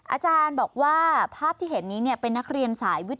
อาจารย์บอกว่าภาพที่เห็นนี้เป็นนักเรียนสายวิทยา